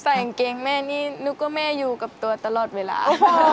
กางเกงแม่นี่นึกว่าแม่อยู่กับตัวตลอดเวลา